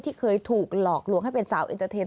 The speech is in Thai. เคยถูกหลอกลวงให้เป็นสาวเอ็นเตอร์เทน